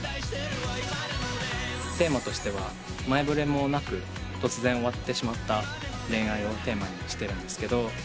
テーマとしては前触れもなく突然終わってしまった恋愛をテーマにしてるんですけど。